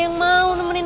kan kita sama suka